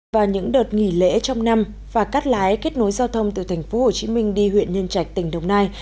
và những đợt nghỉ lễ trong năm phà cắt lái kết nối giao thông từ tp hcm đi huyện nhân trạch tỉnh đồng nai